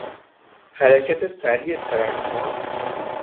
حرکت سریع ترنها